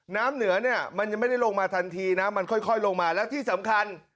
น้ำเหนือเนี่ยมันยังไม่ได้ลงมาทันทีนะมันค่อยลงมาแล้วที่สำคัญ